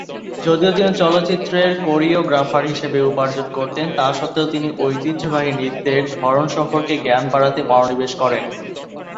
যদিও তিনি চলচ্চিত্রের কোরিওগ্রাফার হিসাবে উপার্জন করতেন, তা সত্ত্বেও তিনি ঐতিহ্যবাহী নৃত্যের ধরন সম্পর্কে জ্ঞান বাড়াতে মনোনিবেশ করেন।